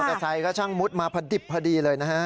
เตอร์ไซค์ก็ช่างมุดมาพอดิบพอดีเลยนะฮะ